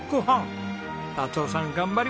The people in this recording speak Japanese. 達雄さん頑張りました！